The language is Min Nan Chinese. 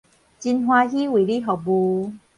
真歡喜為你服務